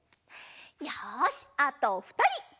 よしあとふたり。